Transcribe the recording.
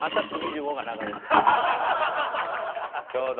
ちょうど。